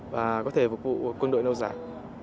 và có thể phục vụ quân đội nâu dài